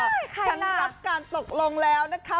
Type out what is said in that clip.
อ๋อใครล่ะฉันรับการตกลงแล้วนะครับ